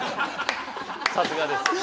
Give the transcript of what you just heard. さすがです。